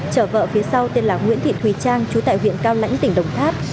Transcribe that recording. chở vợ phía sau tên là nguyễn thị thùy trang chú tại huyện cao lãnh tỉnh đồng tháp